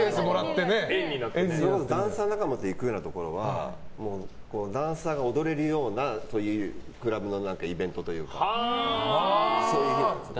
ダンサー仲間と行くようなところはダンサーが踊れるようなクラブのイベントというかそういう日なんですよ。